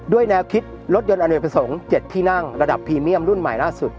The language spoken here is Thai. แนวคิดรถยนต์อเนกประสงค์๗ที่นั่งระดับพรีเมียมรุ่นใหม่ล่าสุด